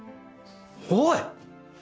おい！